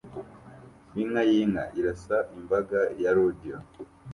Inka yinka irasa imbaga ya rodeo